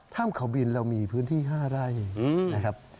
ถ้ำเขาบินเรามีพื้นที่๕ไร่นะครับ